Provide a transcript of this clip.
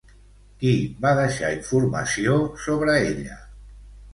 Qui va deixar informació sobre ella?